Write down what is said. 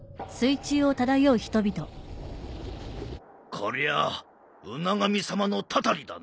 こりゃあ海神様のたたりだな。